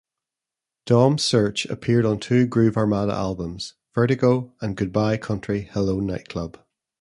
Dom Search appeared on two Groove Armada albums, "Vertigo" and "Goodbye Country, Hello Nightclub".